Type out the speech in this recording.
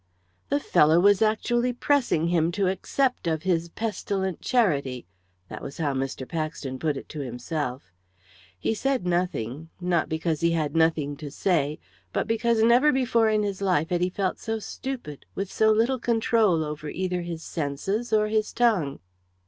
The fellow was actually pressing him to accept of his pestilent charity that was how Mr. Paxton put it to himself. He said nothing not because he had nothing to say, but because never before in his life had he felt so stupid, with so little control over either his senses or his tongue.